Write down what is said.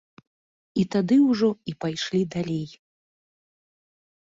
І тады ўжо і пайшлі далей.